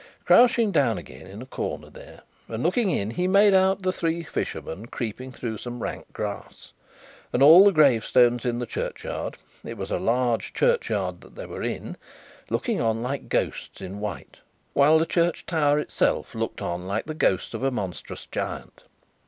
Crouching down again in a corner there, and looking in, he made out the three fishermen creeping through some rank grass! and all the gravestones in the churchyard it was a large churchyard that they were in looking on like ghosts in white, while the church tower itself looked on like the ghost of a monstrous giant.